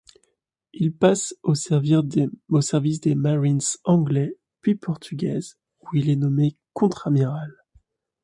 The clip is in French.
Il passe au service des marines anglaises puis portugaises où il est nommé contre-amiral.